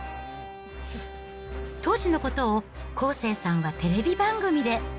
当時のことを康生さんはテレビ番組で。